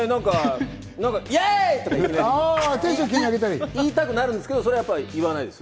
イエイ！とか言いたくなるんですけど、それは言わないですよ。